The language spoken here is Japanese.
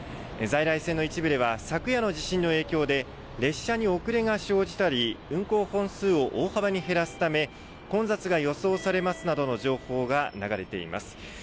在来線の一部では昨夜の地震の影響で列車に遅れが生じたり、運行本数を大幅に減らすため混雑が予想されますなどの情報が流れています。